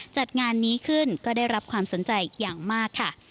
จัดงานนี้ขึ้นก็ได้รับความสนใจอย่างมากค่ะ